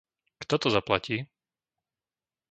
Kto to zaplatí?